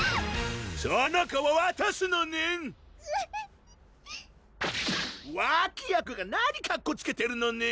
その子をわたすのねん脇役が何かっこつけてるのねん？